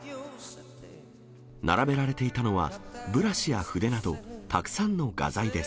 並べられていたのは、ブラシや筆など、たくさんの画材です。